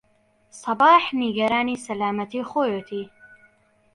سەباح نیگەرانی سەلامەتیی خۆیەتی.